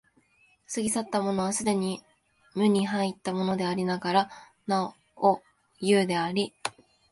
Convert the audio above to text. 過ぎ去ったものは既に無に入ったものでありながらなお有であり、